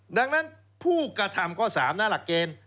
ดังนั้นผู้กระทำข้อ๓นะหลักเกณฑ์